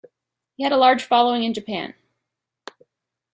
He had a large following in Japan.